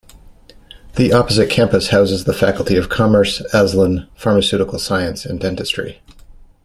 The opposite Campus houses the faculty of Commerce, Alsun, pharmaceutical Science and Dentistry.